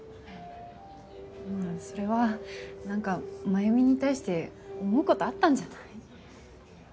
まあそれは何か繭美に対して思うことあったんじゃない？